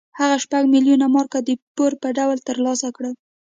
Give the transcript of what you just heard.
هغه شپږ میلیونه مارکه د پور په ډول ترلاسه کړل.